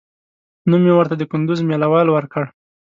نوم مې ورته د کندوز مېله وال ورکړ.